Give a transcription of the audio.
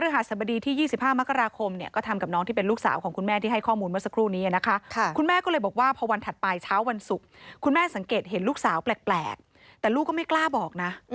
เห็นลูกสาวแปลกแต่ลูกก็ไม่กล้าบอกนะ